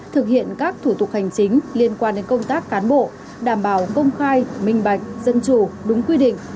thực hiện các thủ tục hành chính liên quan đến công tác cán bộ đảm bảo công khai minh bạch dân chủ đúng quy định